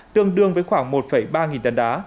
tương đương với khoảng một ba nghìn tấn đá